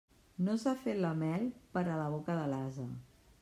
No s'ha fet la mel per a la boca de l'ase.